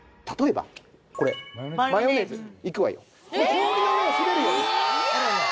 氷の上を滑るように。